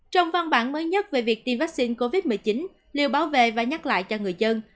trong văn bản mới nhất về việc tiêm vaccine covid một mươi chín liều báo về và nhắc lại cho người dân